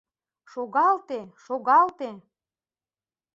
— Шогалте, шогалте!!!